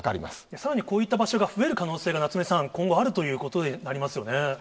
さらにこういった場所が増える可能性が夏目さん、今後、あるということになりますよね。